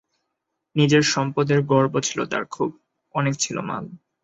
নিজের সম্পদের গর্ব ছিল তার খুব, অনেক ছিল মাল।